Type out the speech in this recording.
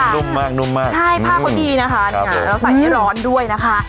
แล้วใส่ที่ร้อนด้วยนะคะ